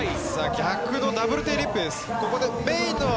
逆のダブルテールウィップです。